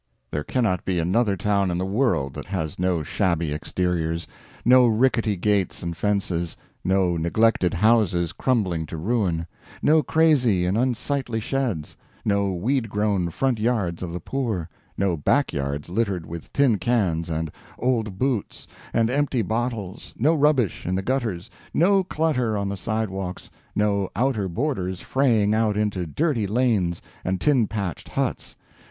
There cannot be another town in the world that has no shabby exteriors; no rickety gates and fences, no neglected houses crumbling to ruin, no crazy and unsightly sheds, no weed grown front yards of the poor, no back yards littered with tin cans and old boots and empty bottles, no rubbish in the gutters, no clutter on the sidewalks, no outer borders fraying out into dirty lanes and tin patched huts.